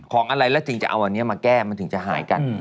อะไรแล้วจริงจะเอาอันนี้มาแก้มันถึงจะหายกัน